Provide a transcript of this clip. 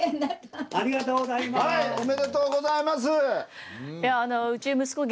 おめでとうございます。